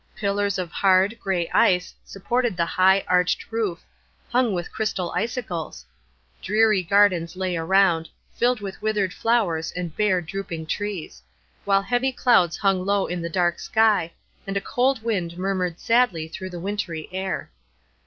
Pillars of hard, gray ice supported the high, arched roof, hung with crystal icicles. Dreary gardens lay around, filled with withered flowers and bare, drooping trees; while heavy clouds hung low in the dark sky, and a cold wind murmured sadly through the wintry air.